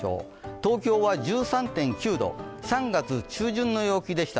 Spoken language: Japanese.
東京は１３．９度、３月中旬の陽気でした。